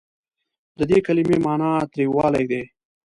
د دې کلمې معني تریوالی دی.